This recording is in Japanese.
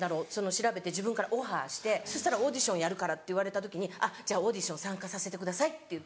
調べて自分からオファーしてそしたらオーディションやるからって言われた時にじゃあオーディション参加させてくださいって言って。